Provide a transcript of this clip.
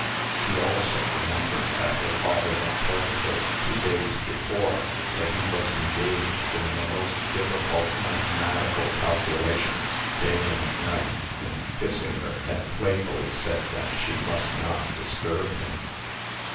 She also remembered that her father had told her, two days before, that he was engaged in the most difficult mathematical calculations, day and night, and, kissing her, had playfully said that she must not disturb him.